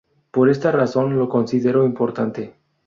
Por esta razón lo considero importante.